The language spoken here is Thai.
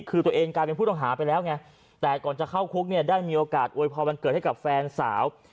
คือตัวเองกลายเป็นผู้ต้องหาไปแล้วไงแต่ก่อนจะเข้าคุกเนี่ยได้มีโอกาสอวยพรวันเกิดให้กับแฟนสาว